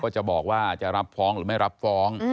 จะรับฟ้องหรือไม่รับฟ้อง